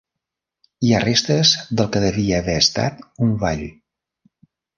Hi ha restes del que devia haver estat un vall.